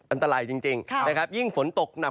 อันตรายจริงนะครับยิ่งฝนตกหนัก